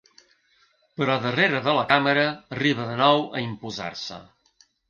Però darrere de la càmera arriba de nou a imposar-se.